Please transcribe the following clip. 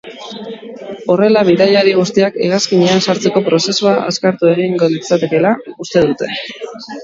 Horrela, bidaiari guztiak hegazkinean sartzeko prozesua azkartu egingo litzatekeela uste dute.